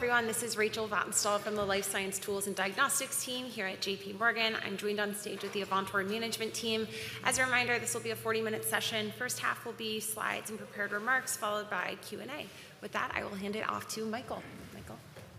Hello, everyone. This is Rachel Vatnsdal from the Life Science Tools and Diagnostics team here at JPMorgan. I'm joined on stage with the Avantor management team. As a reminder, this will be a 40-minute session. The first half will be slides and prepared remarks, followed by Q&A. With that, I will hand it off to Michael. Michael.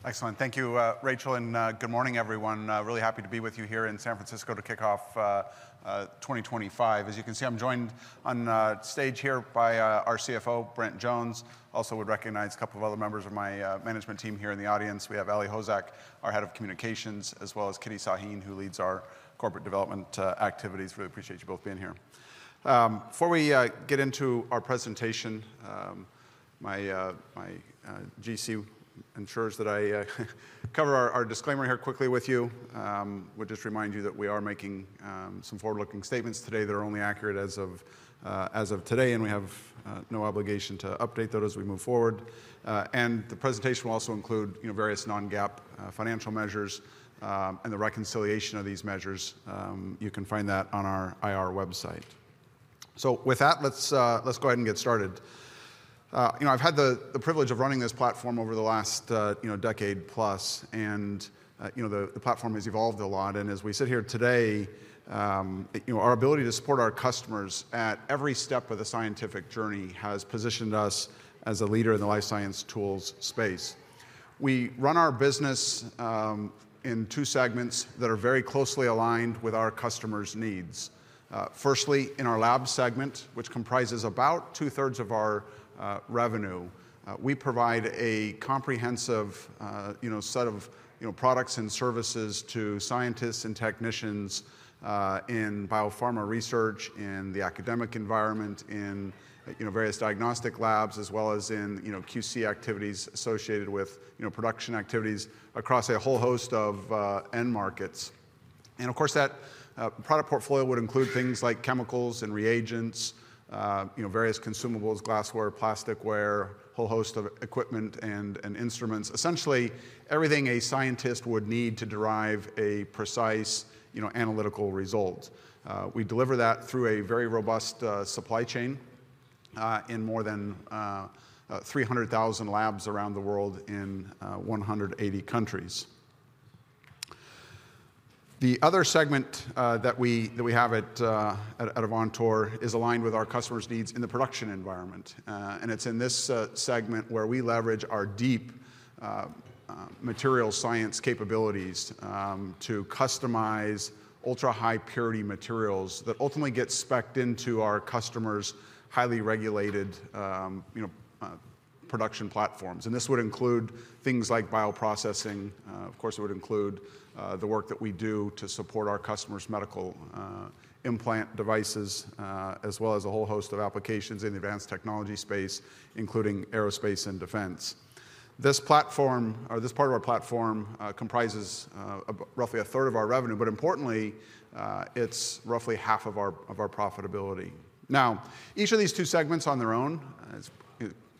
Excellent. Thank you, Rachel, and good morning, everyone. Really happy to be with you here in San Francisco to kick off 2025. As you can see, I'm joined on stage here by our CFO, Brent Jones. I also would recognize a couple of other members of my management team here in the audience. We have Ally Hosak, our head of communications, as well as Kitty Sahin, who leads our corporate development activities. Really appreciate you both being here. Before we get into our presentation, my GC ensures that I cover our disclaimer here quickly with you. I would just remind you that we are making some forward-looking statements today that are only accurate as of today, and we have no obligation to update those as we move forward. And the presentation will also include various non-GAAP financial measures and the reconciliation of these measures. You can find that on our IR website. So with that, let's go ahead and get started. I've had the privilege of running this platform over the last decade plus, and the platform has evolved a lot. And as we sit here today, our ability to support our customers at every step of the scientific journey has positioned us as a leader in the life science tools space. We run our business in two segments that are very closely aligned with our customers' needs. Firstly, in our lab segment, which comprises about two-thirds of our revenue, we provide a comprehensive set of products and services to scientists and technicians in biopharma research, in the academic environment, in various diagnostic labs, as well as in QC activities associated with production activities across a whole host of end markets. And of course, that product portfolio would include things like chemicals and reagents, various consumables, glassware, plasticware, a whole host of equipment and instruments. Essentially, everything a scientist would need to derive a precise analytical result. We deliver that through a very robust supply chain in more than 300,000 labs around the world in 180 countries. The other segment that we have at Avantor is aligned with our customers' needs in the production environment. And it's in this segment where we leverage our deep material science capabilities to customize ultra-high purity materials that ultimately get specced into our customers' highly regulated production platforms. And this would include things like bioprocessing. Of course, it would include the work that we do to support our customers' medical implant devices, as well as a whole host of applications in the advanced technology space, including aerospace and defense. This part of our platform comprises roughly a third of our revenue, but importantly, it's roughly half of our profitability. Now, each of these two segments on their own is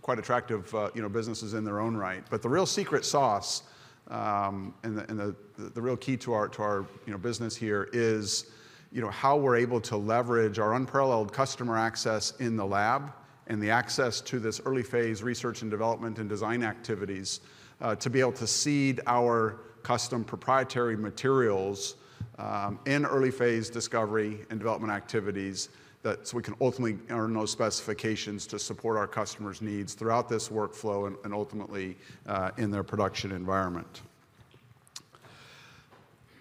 quite attractive businesses in their own right. But the real secret sauce and the real key to our business here is how we're able to leverage our unparalleled customer access in the lab and the access to this early-phase research and development and design activities to be able to seed our custom proprietary materials in early-phase discovery and development activities so we can ultimately earn those specifications to support our customers' needs throughout this workflow and ultimately in their production environment.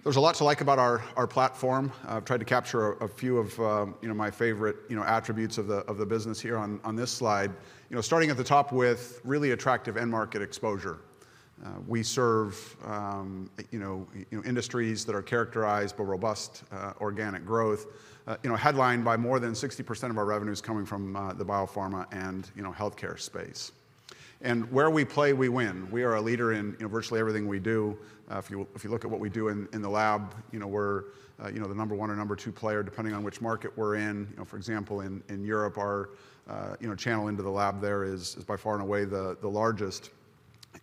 There's a lot to like about our platform. I've tried to capture a few of my favorite attributes of the business here on this slide, starting at the top with really attractive end market exposure. We serve industries that are characterized by robust organic growth, headlined by more than 60% of our revenues coming from the biopharma and healthcare space, and where we play, we win. We are a leader in virtually everything we do. If you look at what we do in the lab, we're the number one or number two player, depending on which market we're in. For example, in Europe, our channel into the lab there is by far and away the largest,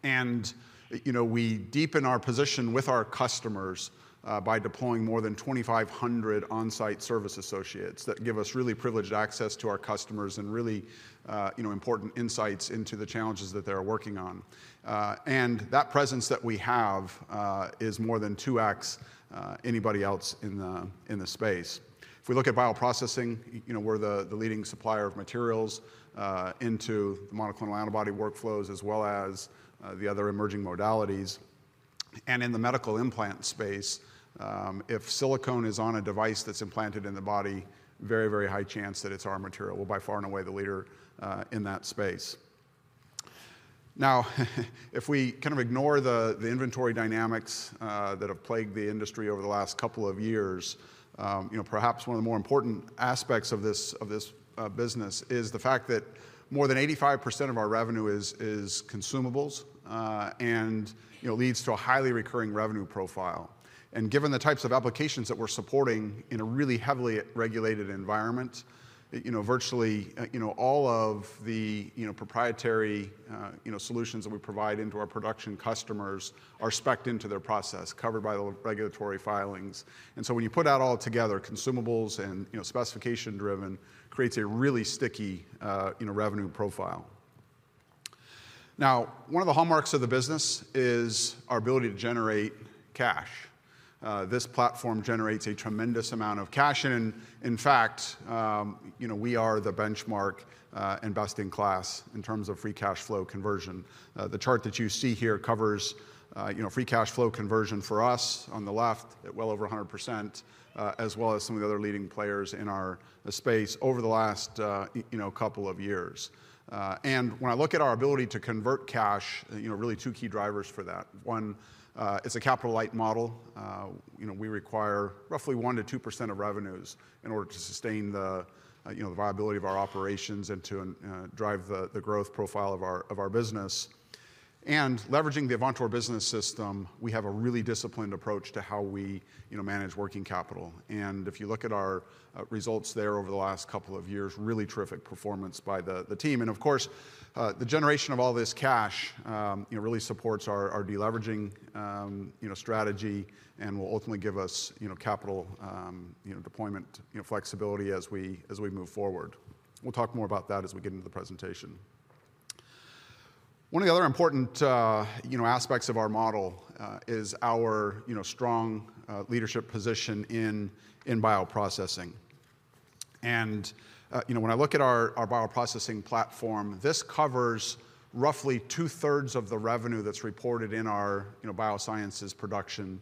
and we deepen our position with our customers by deploying more than 2,500 on-site service associates that give us really privileged access to our customers and really important insights into the challenges that they're working on, and that presence that we have is more than 2x anybody else in the space. If we look at bioprocessing, we're the leading supplier of materials into the monoclonal antibody workflows, as well as the other emerging modalities, and in the medical implant space, if silicone is on a device that's implanted in the body, very, very high chance that it's our material. We're by far and away the leader in that space. Now, if we kind of ignore the inventory dynamics that have plagued the industry over the last couple of years, perhaps one of the more important aspects of this business is the fact that more than 85% of our revenue is consumables and leads to a highly recurring revenue profile, and given the types of applications that we're supporting in a really heavily regulated environment, virtually all of the proprietary solutions that we provide into our production customers are specced into their process, covered by the regulatory filings. And so when you put that all together, consumables and specification-driven creates a really sticky revenue profile. Now, one of the hallmarks of the business is our ability to generate cash. This platform generates a tremendous amount of cash. And in fact, we are the benchmark investing class in terms of free cash flow conversion. The chart that you see here covers free cash flow conversion for us on the left at well over 100%, as well as some of the other leading players in our space over the last couple of years. And when I look at our ability to convert cash, really two key drivers for that. One, it's a capital-light model. We require roughly 1%-2% of revenues in order to sustain the viability of our operations and to drive the growth profile of our business. Leveraging the Avantor Business System, we have a really disciplined approach to how we manage working capital. If you look at our results there over the last couple of years, really terrific performance by the team. Of course, the generation of all this cash really supports our deleveraging strategy and will ultimately give us capital deployment flexibility as we move forward. We'll talk more about that as we get into the presentation. One of the other important aspects of our model is our strong leadership position in bioprocessing. When I look at our bioprocessing platform, this covers roughly two-thirds of the revenue that's reported in our Bioscience Production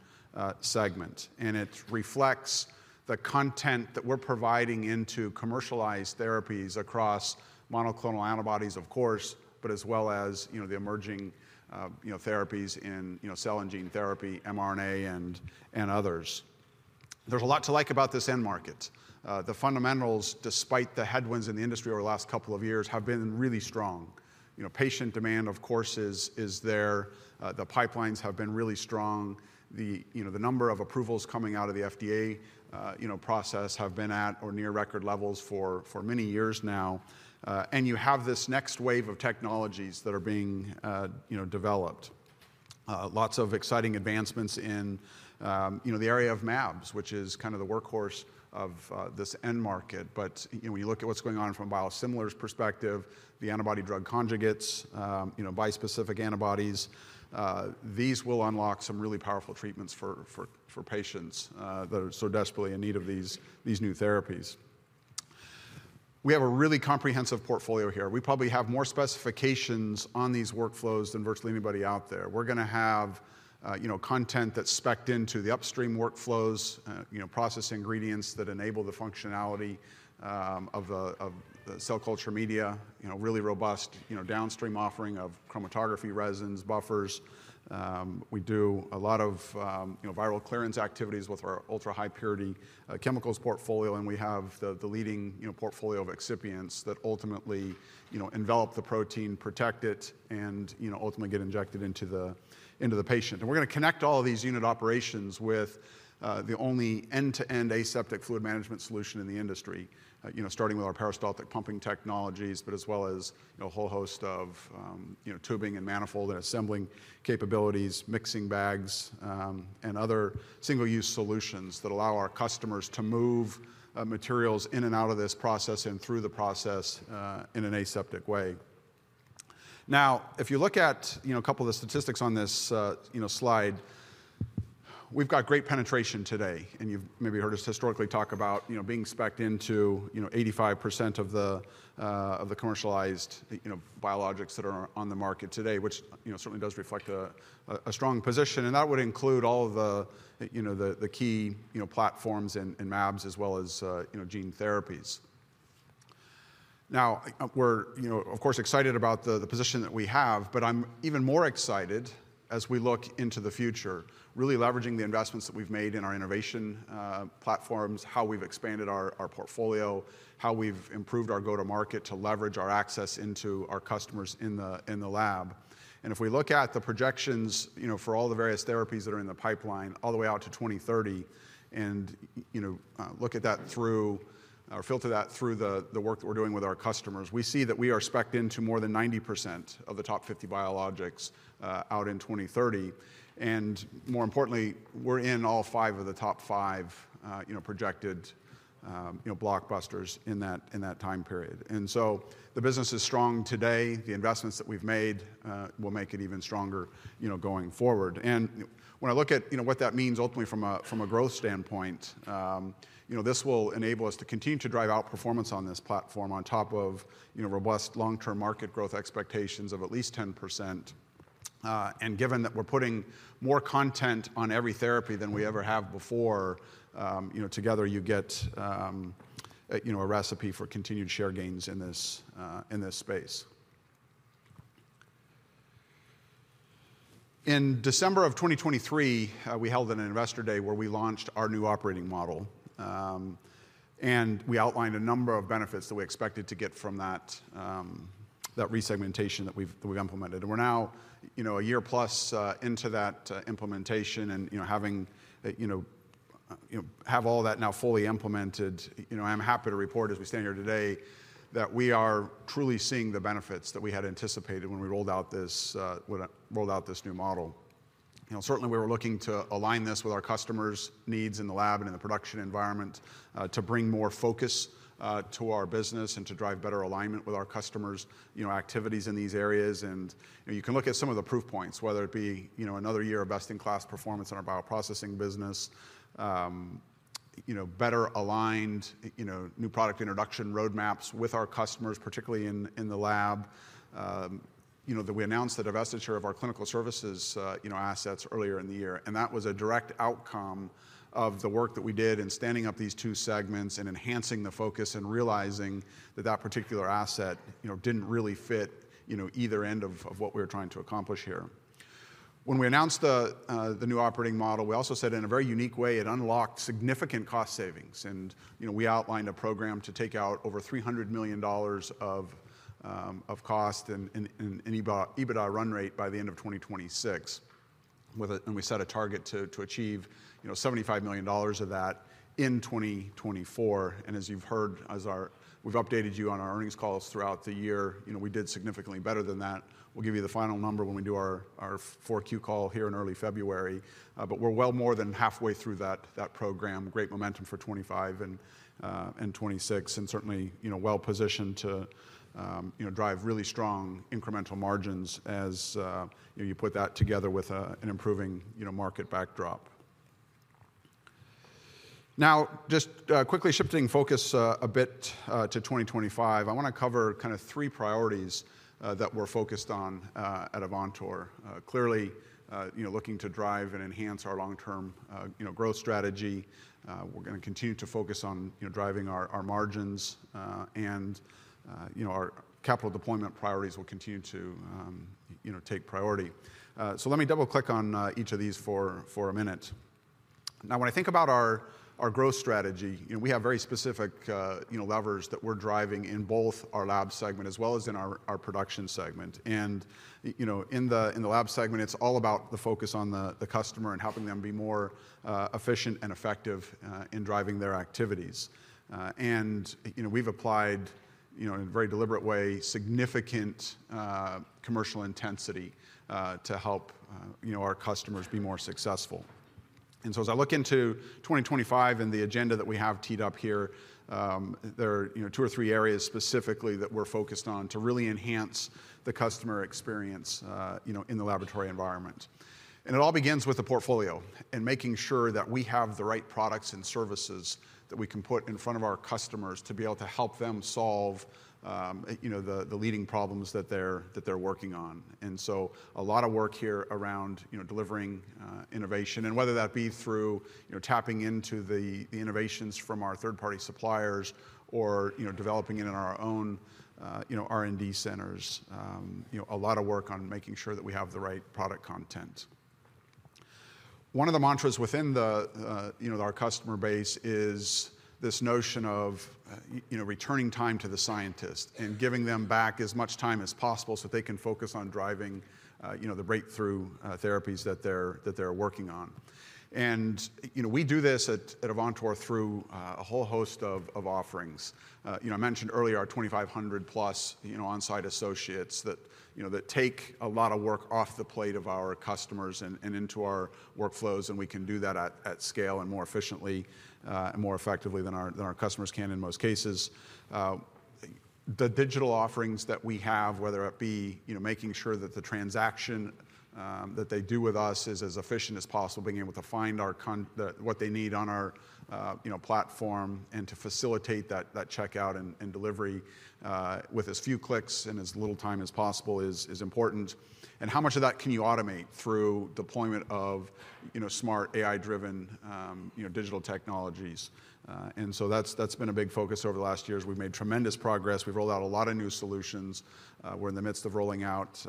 segment. It reflects the content that we're providing into commercialized therapies across monoclonal antibodies, of course, but as well as the emerging therapies in cell and gene therapy, mRNA, and others. There's a lot to like about this end market. The fundamentals, despite the headwinds in the industry over the last couple of years, have been really strong. Patient demand, of course, is there. The pipelines have been really strong. The number of approvals coming out of the FDA process have been at or near record levels for many years now. And you have this next wave of technologies that are being developed. Lots of exciting advancements in the area of mAbs, which is kind of the workhorse of this end market. But when you look at what's going on from a biosimilar perspective, the antibody-drug conjugates, bispecific antibodies, these will unlock some really powerful treatments for patients that are so desperately in need of these new therapies. We have a really comprehensive portfolio here. We probably have more specifications on these workflows than virtually anybody out there. We're going to have content that's specced into the upstream workflows, process ingredients that enable the functionality of the cell culture media, really robust downstream offering of chromatography resins, buffers. We do a lot of viral clearance activities with our ultra-high purity chemicals portfolio, and we have the leading portfolio of excipients that ultimately envelop the protein, protect it, and ultimately get injected into the patient. And we're going to connect all of these unit operations with the only end-to-end aseptic fluid management solution in the industry, starting with our peristaltic pumping technologies, but as well as a whole host of tubing and manifold and assembling capabilities, mixing bags, and other single-use solutions that allow our customers to move materials in and out of this process and through the process in an aseptic way. Now, if you look at a couple of the statistics on this slide, we've got great penetration today. And you've maybe heard us historically talk about being specced into 85% of the commercialized biologics that are on the market today, which certainly does reflect a strong position. And that would include all of the key platforms and mAbs, as well as gene therapies. Now, we're, of course, excited about the position that we have, but I'm even more excited as we look into the future, really leveraging the investments that we've made in our innovation platforms, how we've expanded our portfolio, how we've improved our go-to-market to leverage our access into our customers in the lab. And if we look at the projections for all the various therapies that are in the pipeline all the way out to 2030 and look at that through our filter that through the work that we're doing with our customers, we see that we are specced into more than 90% of the top 50 biologics out in 2030. And more importantly, we're in all five of the top five projected blockbusters in that time period. And so the business is strong today. The investments that we've made will make it even stronger going forward. And when I look at what that means ultimately from a growth standpoint, this will enable us to continue to drive outperformance on this platform on top of robust long-term market growth expectations of at least 10%. Given that we're putting more content on every therapy than we ever have before, together you get a recipe for continued share gains in this space. In December of 2023, we held an investor day where we launched our new operating model. We outlined a number of benefits that we expected to get from that resegmentation that we've implemented. We're now a year plus into that implementation. Having all that now fully implemented, I'm happy to report as we stand here today that we are truly seeing the benefits that we had anticipated when we rolled out this new operating model. Certainly, we were looking to align this with our customers' needs in the lab and in the production environment to bring more focus to our business and to drive better alignment with our customers' activities in these areas. You can look at some of the proof points, whether it be another year of best-in-class performance in our bioprocessing business, better aligned new product introduction roadmaps with our customers, particularly in the lab, that we announced the divestiture of our Clinical Services assets earlier in the year. That was a direct outcome of the work that we did in standing up these two segments and enhancing the focus and realizing that that particular asset didn't really fit either end of what we were trying to accomplish here. When we announced the new operating model, we also said in a very unique way, it unlocked significant cost savings. We outlined a program to take out over $300 million of cost and EBITDA run rate by the end of 2026. We set a target to achieve $75 million of that in 2024. As you've heard, we've updated you on our earnings calls throughout the year. We did significantly better than that. We'll give you the final number when we do our 4Q call here in early February. We're well more than halfway through that program, great momentum for 2025 and 2026, and certainly well positioned to drive really strong incremental margins as you put that together with an improving market backdrop. Now, just quickly shifting focus a bit to 2025, I want to cover kind of three priorities that we're focused on at Avantor. Clearly, looking to drive and enhance our long-term growth strategy. We're going to continue to focus on driving our margins, and our capital deployment priorities will continue to take priority. Let me double-click on each of these for a minute. Now, when I think about our growth strategy, we have very specific levers that we're driving in both our lab segment as well as in our production segment. And in the lab segment, it's all about the focus on the customer and helping them be more efficient and effective in driving their activities. And we've applied in a very deliberate way significant commercial intensity to help our customers be more successful. And so as I look into 2025 and the agenda that we have teed up here, there are two or three areas specifically that we're focused on to really enhance the customer experience in the laboratory environment. And it all begins with the portfolio and making sure that we have the right products and services that we can put in front of our customers to be able to help them solve the leading problems that they're working on. And so a lot of work here around delivering innovation, and whether that be through tapping into the innovations from our third-party suppliers or developing in our own R&D centers, a lot of work on making sure that we have the right product content. One of the mantras within our customer base is this notion of returning time to the scientists and giving them back as much time as possible so they can focus on driving the breakthrough therapies that they're working on. And we do this at Avantor through a whole host of offerings. I mentioned earlier our 2,500-plus on-site associates that take a lot of work off the plate of our customers and into our workflows, and we can do that at scale and more efficiently and more effectively than our customers can in most cases. The digital offerings that we have, whether it be making sure that the transaction that they do with us is as efficient as possible, being able to find what they need on our platform and to facilitate that checkout and delivery with as few clicks and as little time as possible is important. And how much of that can you automate through deployment of smart AI-driven digital technologies? And so that's been a big focus over the last years. We've made tremendous progress. We've rolled out a lot of new solutions. We're in the midst of rolling out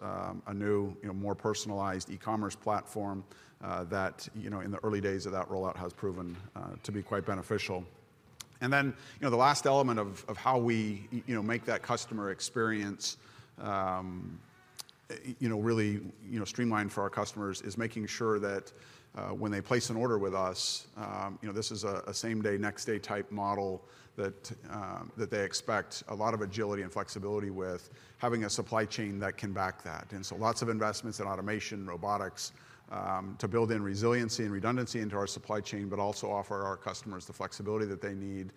a new, more personalized e-commerce platform that in the early days of that rollout has proven to be quite beneficial. And then the last element of how we make that customer experience really streamlined for our customers is making sure that when they place an order with us, this is a same-day, next-day type model that they expect a lot of agility and flexibility with, having a supply chain that can back that. And so lots of investments in automation, robotics to build in resiliency and redundancy into our supply chain, but also offer our customers the flexibility that they need,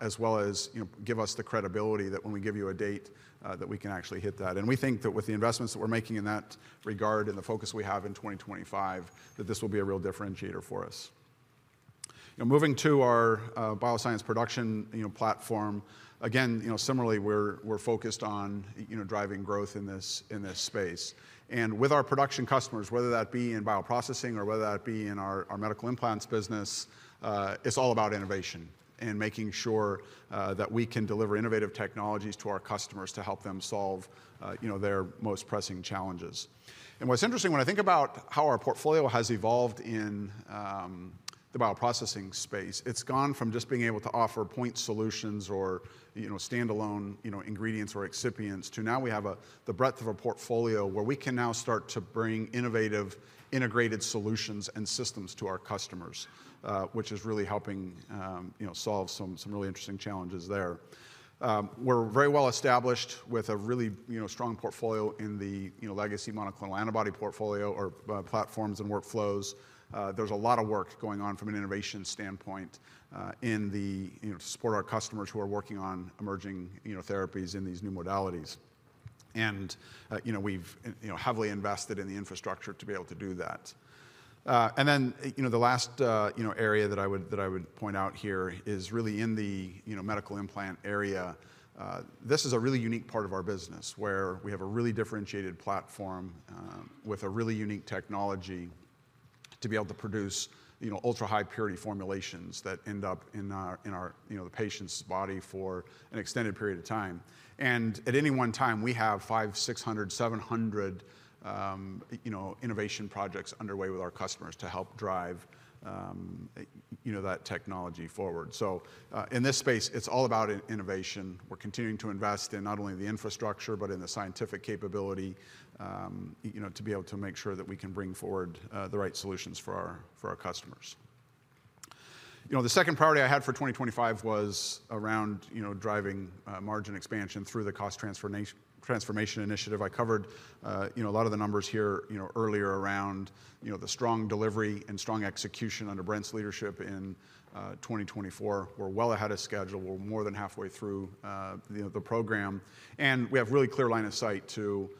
as well as give us the credibility that when we give you a date, that we can actually hit that. And we think that with the investments that we're making in that regard and the focus we have in 2025, that this will be a real differentiator for us. Moving to our Bioscience Production platform, again, similarly, we're focused on driving growth in this space. And with our production customers, whether that be in bioprocessing or whether that be in our medical implants business, it's all about innovation and making sure that we can deliver innovative technologies to our customers to help them solve their most pressing challenges. And what's interesting, when I think about how our portfolio has evolved in the bioprocessing space, it's gone from just being able to offer point solutions or standalone ingredients or excipients to now we have the breadth of a portfolio where we can now start to bring innovative integrated solutions and systems to our customers, which is really helping solve some really interesting challenges there. We're very well established with a really strong portfolio in the legacy monoclonal antibody portfolio or platforms and workflows. There's a lot of work going on from an innovation standpoint to support our customers who are working on emerging therapies in these new modalities. And we've heavily invested in the infrastructure to be able to do that. And then the last area that I would point out here is really in the medical implant area. This is a really unique part of our business where we have a really differentiated platform with a really unique technology to be able to produce ultra-high purity formulations that end up in the patient's body for an extended period of time. And at any one time, we have 500, 600, 700 innovation projects underway with our customers to help drive that technology forward. So in this space, it's all about innovation. We're continuing to invest in not only the infrastructure but in the scientific capability to be able to make sure that we can bring forward the right solutions for our customers. The second priority I had for 2025 was around driving margin expansion through the cost transformation initiative. I covered a lot of the numbers here earlier around the strong delivery and strong execution under Brent's leadership in 2024. We're well ahead of schedule. We're more than halfway through the program. And we have a really clear line of sight to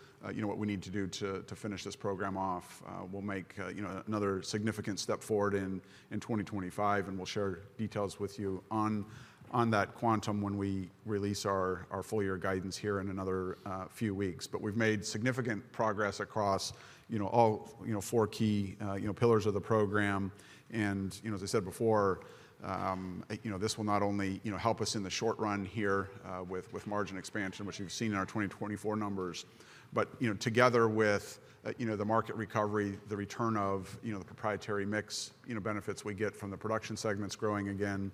what we need to do to finish this program off. We'll make another significant step forward in 2025, and we'll share details with you on that quantum when we release our full-year guidance here in another few weeks. But we've made significant progress across all four key pillars of the program. As I said before, this will not only help us in the short run here with margin expansion, which you've seen in our 2024 numbers, but together with the market recovery, the return of the proprietary mix benefits we get from the production segments growing again,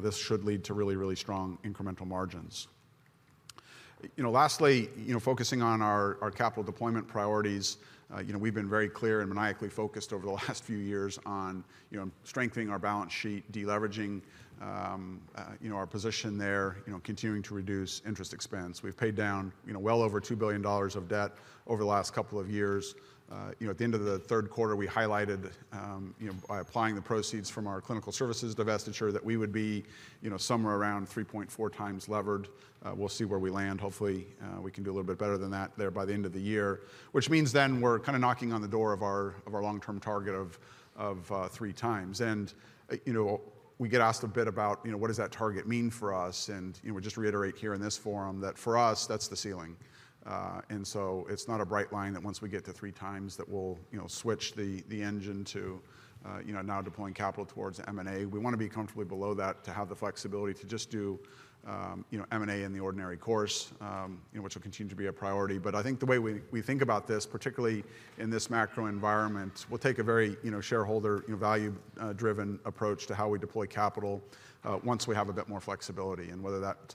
this should lead to really, really strong incremental margins. Lastly, focusing on our capital deployment priorities, we've been very clear and maniacally focused over the last few years on strengthening our balance sheet, deleveraging our position there, continuing to reduce interest expense. We've paid down well over $2 billion of debt over the last couple of years. At the end of the third quarter, we highlighted by applying the proceeds from our Clinical Services divestiture that we would be somewhere around 3.4 times levered. We'll see where we land. Hopefully, we can do a little bit better than that there by the end of the year, which means then we're kind of knocking on the door of our long-term target of three times. And we get asked a bit about what does that target mean for us. And we just reiterate here in this forum that for us, that's the ceiling. And so it's not a bright line that once we get to three times that we'll switch the engine to now deploying capital towards M&A. We want to be comfortably below that to have the flexibility to just do M&A in the ordinary course, which will continue to be a priority. But I think the way we think about this, particularly in this macro environment, we'll take a very shareholder value-driven approach to how we deploy capital once we have a bit more flexibility and whether that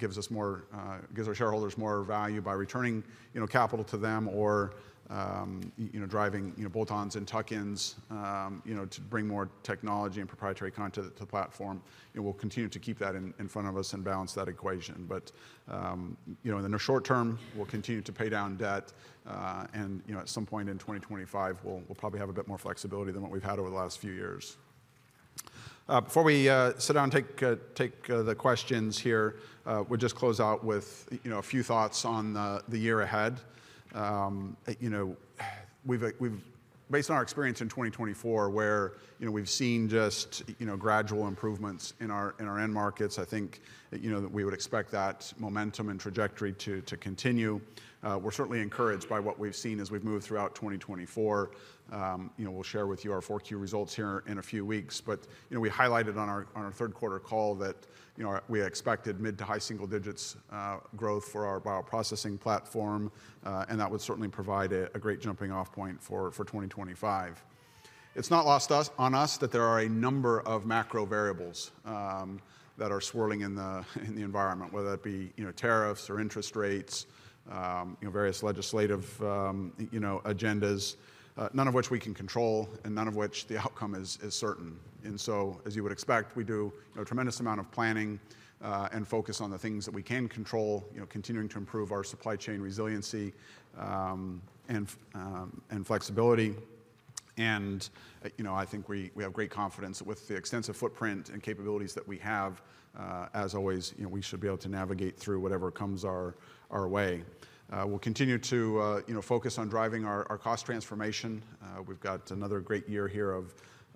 gives our shareholders more value by returning capital to them or driving bolt-ons and tuck-ins to bring more technology and proprietary content to the platform. We'll continue to keep that in front of us and balance that equation. But in the short term, we'll continue to pay down debt. And at some point in 2025, we'll probably have a bit more flexibility than what we've had over the last few years. Before we sit down and take the questions here, we'll just close out with a few thoughts on the year ahead. Based on our experience in 2024, where we've seen just gradual improvements in our end markets, I think that we would expect that momentum and trajectory to continue. We're certainly encouraged by what we've seen as we've moved throughout 2024. We'll share with you our 4Q results here in a few weeks. But we highlighted on our third quarter call that we expected mid to high single-digits growth for our bioprocessing platform, and that would certainly provide a great jumping-off point for 2025. It's not lost on us that there are a number of macro variables that are swirling in the environment, whether that be tariffs or interest rates, various legislative agendas, none of which we can control and none of which the outcome is certain. As you would expect, we do a tremendous amount of planning and focus on the things that we can control, continuing to improve our supply chain resiliency and flexibility. I think we have great confidence that with the extensive footprint and capabilities that we have, as always, we should be able to navigate through whatever comes our way. We'll continue to focus on driving our cost transformation. We've got another great year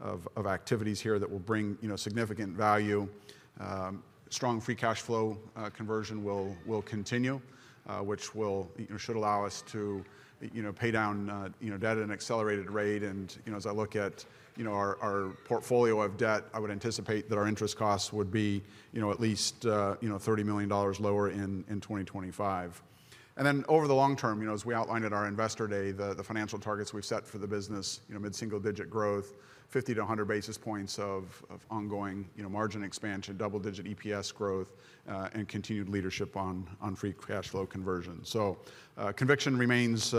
of activities here that will bring significant value. Strong free cash flow conversion will continue, which should allow us to pay down debt at an accelerated rate. As I look at our portfolio of debt, I would anticipate that our interest costs would be at least $30 million lower in 2025. And then over the long term, as we outlined at our investor day, the financial targets we've set for the business, mid-single-digit growth, 50-100 basis points of ongoing margin expansion, double-digit EPS growth, and continued leadership on free cash flow conversion. So conviction remains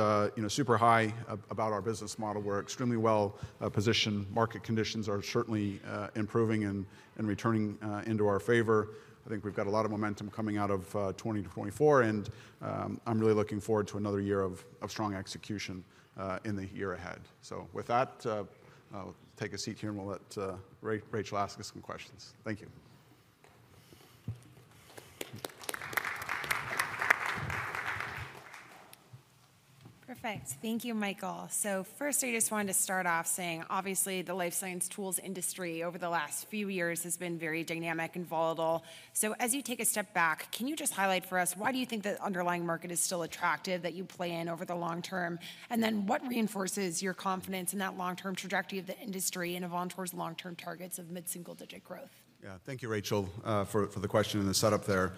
super high about our business model. We're extremely well positioned. Market conditions are certainly improving and returning into our favor. I think we've got a lot of momentum coming out of 2024, and I'm really looking forward to another year of strong execution in the year ahead. So with that, I'll take a seat here and we'll let Rachel ask us some questions. Thank you. Perfect. Thank you, Michael. So first, I just wanted to start off saying, obviously, the life science tools industry over the last few years has been very dynamic and volatile. So as you take a step back, can you just highlight for us why do you think the underlying market is still attractive that you play in over the long term? And then what reinforces your confidence in that long-term trajectory of the industry and Avantor's long-term targets of mid-single-digit growth? Yeah. Thank you, Rachel, for the question and the setup there.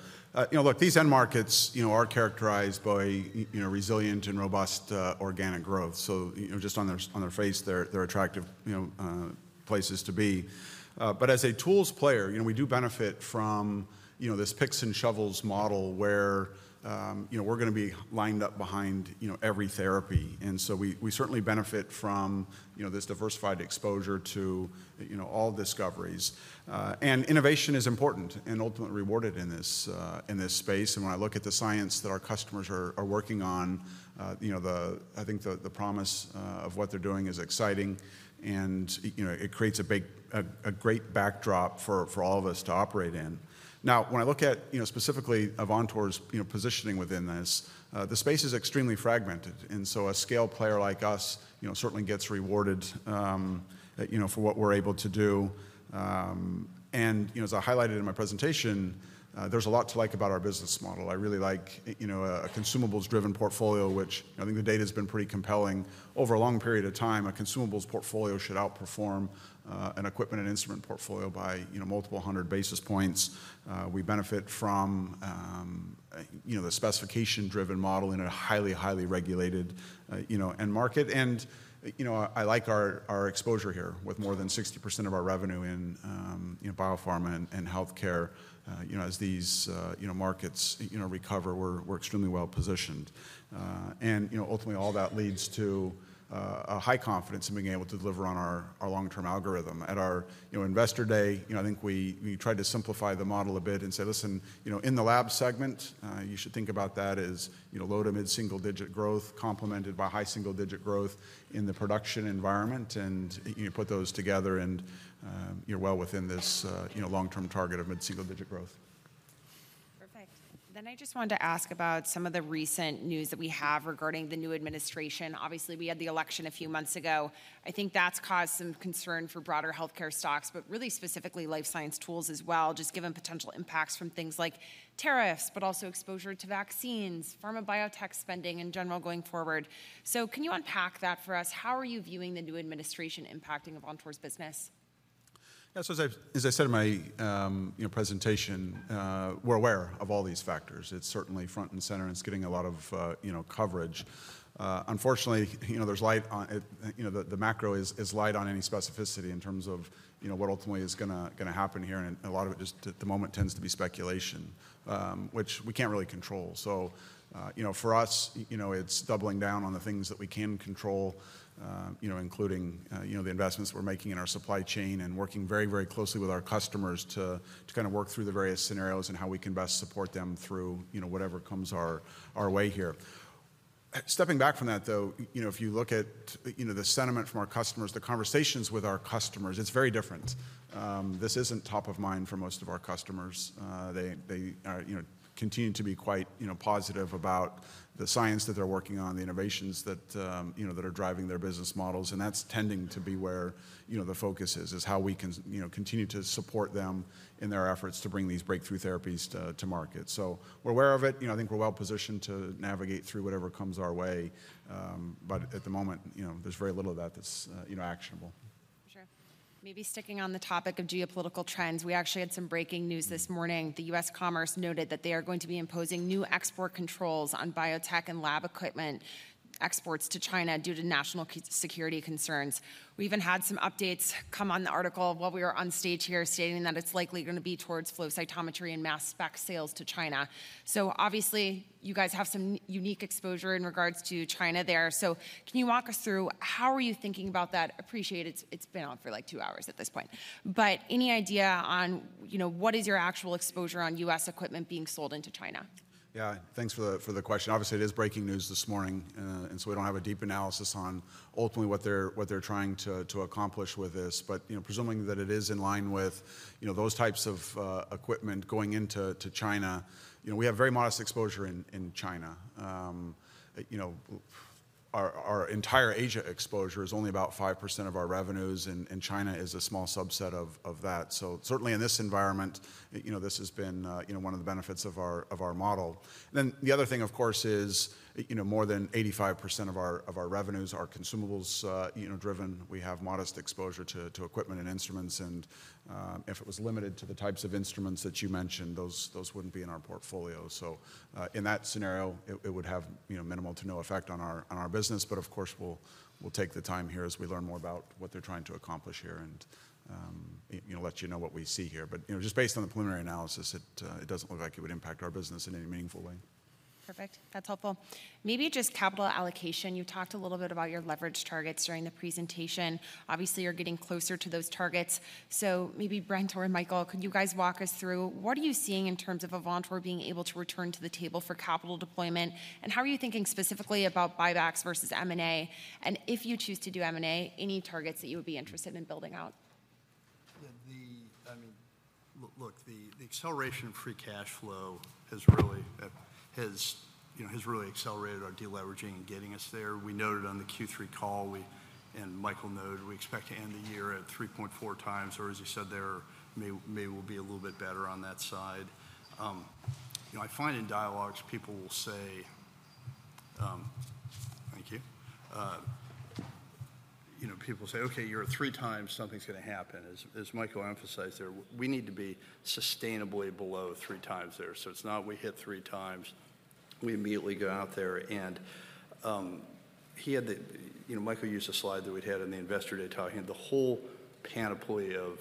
Look, these end markets are characterized by resilient and robust organic growth. So just on their face, they're attractive places to be. But as a tools player, we do benefit from this picks and shovels model where we're going to be lined up behind every therapy. And so we certainly benefit from this diversified exposure to all discoveries. And innovation is important and ultimately rewarded in this space. And when I look at the science that our customers are working on, I think the promise of what they're doing is exciting, and it creates a great backdrop for all of us to operate in. Now, when I look at specifically Avantor's positioning within this, the space is extremely fragmented. And so a scale player like us certainly gets rewarded for what we're able to do. As I highlighted in my presentation, there's a lot to like about our business model. I really like a consumables-driven portfolio, which I think the data has been pretty compelling. Over a long period of time, a consumables portfolio should outperform an equipment and instrument portfolio by multiple hundred basis points. We benefit from the specification-driven model in a highly, highly regulated end market. I like our exposure here with more than 60% of our revenue in biopharma and healthcare. As these markets recover, we're extremely well positioned. Ultimately, all that leads to a high confidence in being able to deliver on our long-term algorithm. At our investor day, I think we tried to simplify the model a bit and say, "Listen, in the lab segment, you should think about that as low- to mid-single-digit growth complemented by high single-digit growth in the production environment," and put those together and you're well within this long-term target of mid-single-digit growth. Perfect. Then I just wanted to ask about some of the recent news that we have regarding the new administration. Obviously, we had the election a few months ago. I think that's caused some concern for broader healthcare stocks, but really specifically life science tools as well, just given potential impacts from things like tariffs, but also exposure to vaccines, pharma biotech spending in general going forward. So can you unpack that for us? How are you viewing the new administration impacting Avantor's business? Yeah. So as I said in my presentation, we're aware of all these factors. It's certainly front and center, and it's getting a lot of coverage. Unfortunately, the macro is light on any specificity in terms of what ultimately is going to happen here. And a lot of it just at the moment tends to be speculation, which we can't really control. So for us, it's doubling down on the things that we can control, including the investments we're making in our supply chain and working very, very closely with our customers to kind of work through the various scenarios and how we can best support them through whatever comes our way here. Stepping back from that, though, if you look at the sentiment from our customers, the conversations with our customers, it's very different. This isn't top of mind for most of our customers. They continue to be quite positive about the science that they're working on, the innovations that are driving their business models. And that's tending to be where the focus is, how we can continue to support them in their efforts to bring these breakthrough therapies to market. So we're aware of it. I think we're well positioned to navigate through whatever comes our way. But at the moment, there's very little of that that's actionable. For sure. Maybe sticking on the topic of geopolitical trends, we actually had some breaking news this morning. The U.S. Commerce noted that they are going to be imposing new export controls on biotech and lab equipment exports to China due to national security concerns. We even had some updates come on the article while we were on stage here stating that it's likely going to be towards flow cytometry and mass spec sales to China. So obviously, you guys have some unique exposure in regards to China there. So can you walk us through how are you thinking about that? Appreciate it. It's been on for like two hours at this point. But any idea on what is your actual exposure on U.S. equipment being sold into China? Yeah. Thanks for the question. Obviously, it is breaking news this morning, and so we don't have a deep analysis on ultimately what they're trying to accomplish with this. But presuming that it is in line with those types of equipment going into China, we have very modest exposure in China. Our entire Asia exposure is only about 5% of our revenues, and China is a small subset of that. So certainly in this environment, this has been one of the benefits of our model. Then the other thing, of course, is more than 85% of our revenues are consumables-driven. We have modest exposure to equipment and instruments. And if it was limited to the types of instruments that you mentioned, those wouldn't be in our portfolio. So in that scenario, it would have minimal to no effect on our business. But of course, we'll take the time here as we learn more about what they're trying to accomplish here and let you know what we see here. But just based on the preliminary analysis, it doesn't look like it would impact our business in any meaningful way. Perfect. That's helpful. Maybe just capital allocation. You talked a little bit about your leverage targets during the presentation. Obviously, you're getting closer to those targets. So maybe Brent or Michael, could you guys walk us through what are you seeing in terms of Avantor being able to return to the table for capital deployment? And how are you thinking specifically about buybacks versus M&A? And if you choose to do M&A, any targets that you would be interested in building out? I mean, look, the acceleration of free cash flow has really accelerated our deleveraging and getting us there. We noted on the Q3 call and Michael noted, we expect to end the year at 3.4 times. Or as he said there, maybe we'll be a little bit better on that side. I find in dialogues, people will say, "Thank you." People say, "Okay, you're at three times, something's going to happen." As Michael emphasized there, we need to be sustainably below three times there. So it's not we hit three times, we immediately go out there. And Michael used a slide that we'd had in the investor day talking. The whole panoply of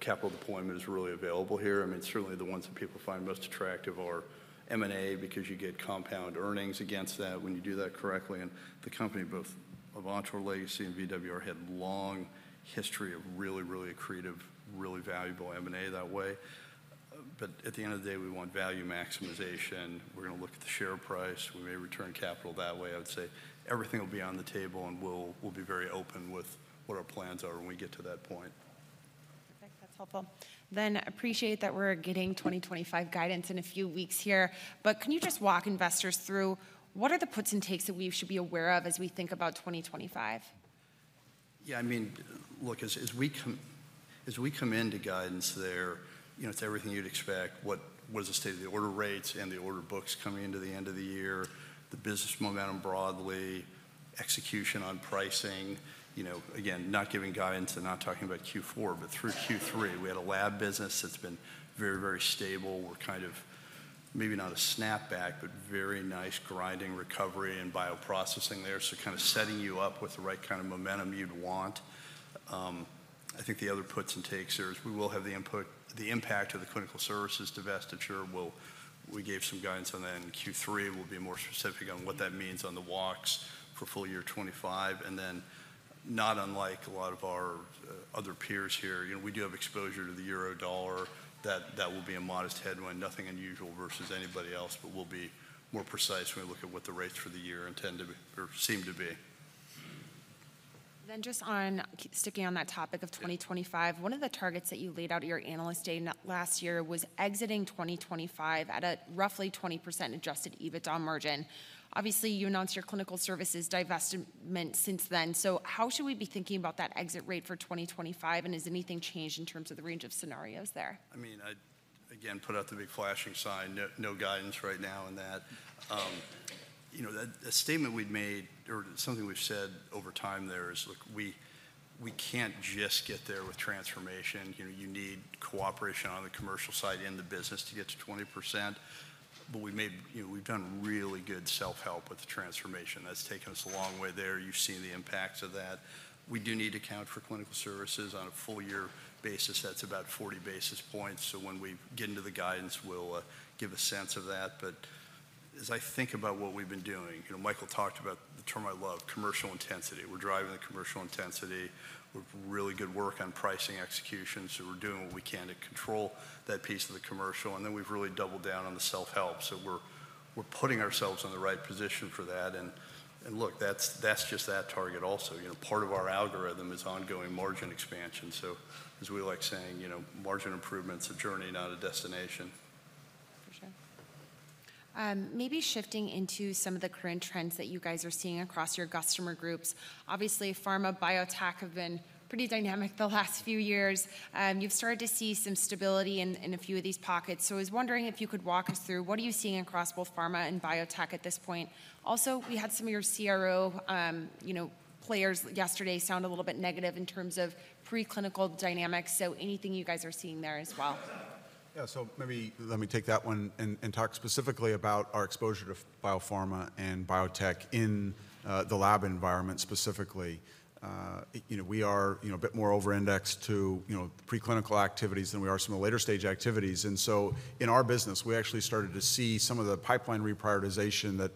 capital deployment is really available here. I mean, certainly the ones that people find most attractive are M&A because you get compound earnings against that when you do that correctly. The company, both Avantor Legacy and VWR, had a long history of really, really accretive, really valuable M&A that way. But at the end of the day, we want value maximization. We're going to look at the share price. We may return capital that way. I would say everything will be on the table, and we'll be very open with what our plans are when we get to that point. Perfect. That's helpful. Appreciate that we're getting 2025 guidance in a few weeks here, but can you just walk investors through what are the puts and takes that we should be aware of as we think about 2025? Yeah. I mean, look, as we come into guidance there, it's everything you'd expect. What is the state of the order rates and the order books coming into the end of the year, the business momentum broadly, execution on pricing? Again, not giving guidance and not talking about Q4, but through Q3, we had a lab business that's been very, very stable. We're kind of maybe not a snapback, but very nice grinding recovery in bioprocessing there. So kind of setting you up with the right kind of momentum you'd want. I think the other puts and takes are we will have the impact of the Clinical Services divestiture. We gave some guidance on that in Q3. We'll be more specific on what that means on the walks for full year 2025. And then not unlike a lot of our other peers here, we do have exposure to the Euro/Dollar. That will be a modest headwind, nothing unusual versus anybody else, but we'll be more precise when we look at what the rates for the year intend to or seem to be. Then just sticking on that topic of 2025, one of the targets that you laid out at your analyst day last year was exiting 2025 at a roughly 20% adjusted EBITDA margin. Obviously, you announced your Clinical Services divestment since then. So how should we be thinking about that exit rate for 2025? And has anything changed in terms of the range of scenarios there? I mean, again, put out the big flashing sign, no guidance right now on that. A statement we've made or something we've said over time there is we can't just get there with transformation. You need cooperation on the commercial side in the business to get to 20%. But we've done really good self-help with the transformation. That's taken us a long way there. You've seen the impacts of that. We do need to account for Clinical Services on a full year basis. That's about 40 basis points. So when we get into the guidance, we'll give a sense of that. But as I think about what we've been doing, Michael talked about the term I love, commercial intensity. We're driving the commercial intensity. We've really good work on pricing execution. So we're doing what we can to control that piece of the commercial. And then we've really doubled down on the self-help. So we're putting ourselves in the right position for that. And look, that's just that target also. Part of our algorithm is ongoing margin expansion. So as we like saying, margin improvement's a journey, not a destination. For sure. Maybe shifting into some of the current trends that you guys are seeing across your customer groups. Obviously, pharma, biotech have been pretty dynamic the last few years. You've started to see some stability in a few of these pockets. So I was wondering if you could walk us through what are you seeing across both pharma and biotech at this point? Also, we had some of your CRO players yesterday sound a little bit negative in terms of preclinical dynamics. So anything you guys are seeing there as well? Yeah. So maybe let me take that one and talk specifically about our exposure to biopharma and biotech in the lab environment specifically. We are a bit more over-indexed to preclinical activities than we are some of the later-stage activities. And so in our business, we actually started to see some of the pipeline reprioritization that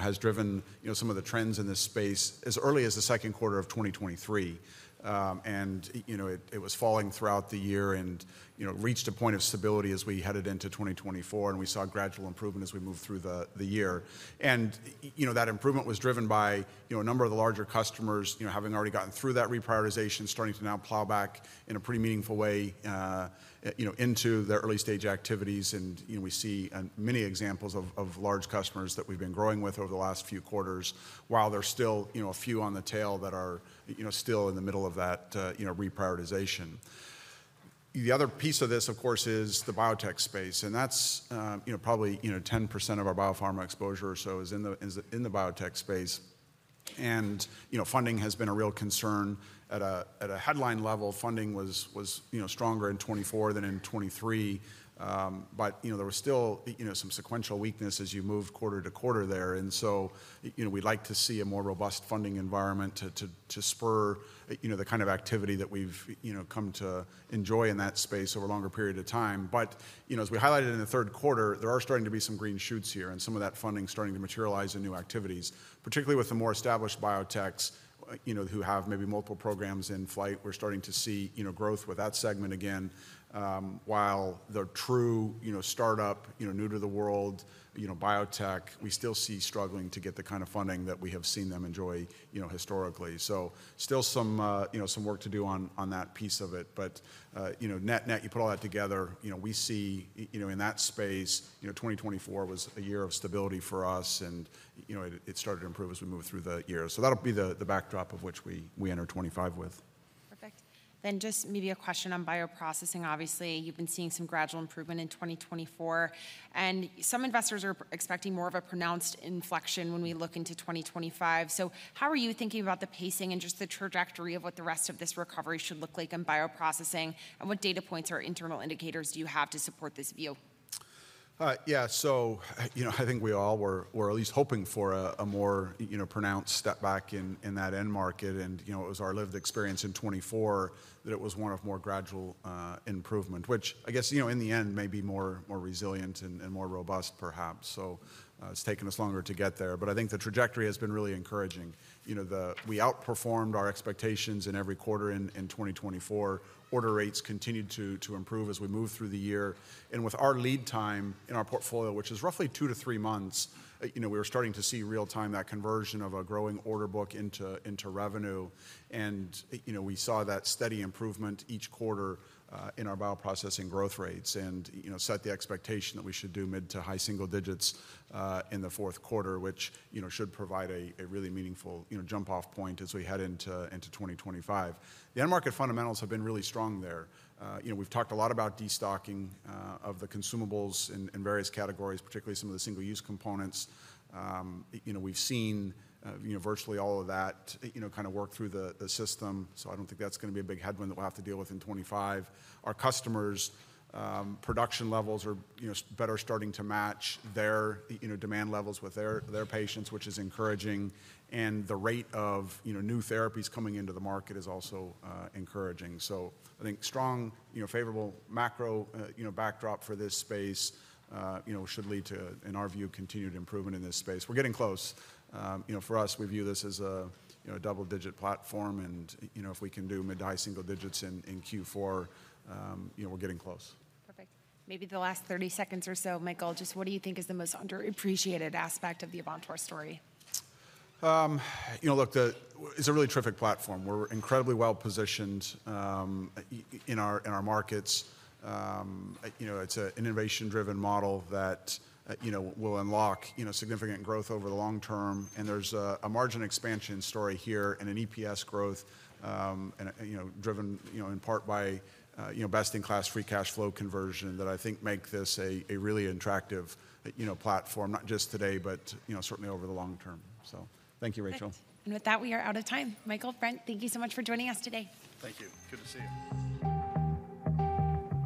has driven some of the trends in this space as early as the second quarter of 2023. And it was falling throughout the year and reached a point of stability as we headed into 2024. And we saw a gradual improvement as we moved through the year. And that improvement was driven by a number of the larger customers having already gotten through that reprioritization, starting to now plow back in a pretty meaningful way into their early-stage activities. We see many examples of large customers that we've been growing with over the last few quarters, while there's still a few on the tail that are still in the middle of that reprioritization. The other piece of this, of course, is the biotech space. That's probably 10% of our biopharma exposure or so is in the biotech space. Funding has been a real concern. At a headline level, funding was stronger in 2024 than in 2023. There was still some sequential weakness as you moved quarter to quarter there. We'd like to see a more robust funding environment to spur the kind of activity that we've come to enjoy in that space over a longer period of time. But as we highlighted in the third quarter, there are starting to be some green shoots here and some of that funding starting to materialize in new activities, particularly with the more established biotechs who have maybe multiple programs in flight. We're starting to see growth with that segment again. While the true startup, new to the world, biotech, we still see struggling to get the kind of funding that we have seen them enjoy historically. So still some work to do on that piece of it. But net-net, you put all that together, we see in that space, 2024 was a year of stability for us, and it started to improve as we moved through the year. So that'll be the backdrop of which we enter 2025 with. Perfect. Then just maybe a question on bioprocessing. Obviously, you've been seeing some gradual improvement in 2024. And some investors are expecting more of a pronounced inflection when we look into 2025. So how are you thinking about the pacing and just the trajectory of what the rest of this recovery should look like in bioprocessing? And what data points or internal indicators do you have to support this view? Yeah. So I think we all were at least hoping for a more pronounced step back in that end market. And it was our lived experience in 2024 that it was one of more gradual improvement, which I guess in the end may be more resilient and more robust, perhaps. So it's taken us longer to get there. But I think the trajectory has been really encouraging. We outperformed our expectations in every quarter in 2024. Order rates continued to improve as we moved through the year. And with our lead time in our portfolio, which is roughly two to three months, we were starting to see real-time that conversion of a growing order book into revenue. And we saw that steady improvement each quarter in our bioprocessing growth rates and set the expectation that we should do mid to high single digits in the fourth quarter, which should provide a really meaningful jump-off point as we head into 2025. The end market fundamentals have been really strong there. We've talked a lot about destocking of the consumables in various categories, particularly some of the single-use components. We've seen virtually all of that kind of work through the system. So I don't think that's going to be a big headwind that we'll have to deal with in 2025. Our customers' production levels are better starting to match their demand levels with their patients, which is encouraging. And the rate of new therapies coming into the market is also encouraging. So I think strong, favorable macro backdrop for this space should lead to, in our view, continued improvement in this space. We're getting close. For us, we view this as a double-digit platform. And if we can do mid to high single digits in Q4, we're getting close. Perfect. Maybe the last 30 seconds or so, Michael, just what do you think is the most underappreciated aspect of the Avantor story? Look, it's a really terrific platform. We're incredibly well-positioned in our markets. It's an innovation-driven model that will unlock significant growth over the long term, and there's a margin expansion story here and an EPS growth driven in part by best-in-class free cash flow conversion that I think make this a really attractive platform, not just today, but certainly over the long term, so thank you, Rachel. And with that, we are out of time. Michael, Brent, thank you so much for joining us today. Thank you. Good to see you.